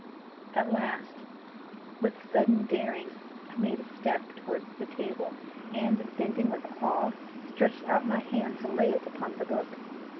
At last, with sudden daring, I made a step towards the table, and, bending with awe, stretched out my hand to lay it upon the book.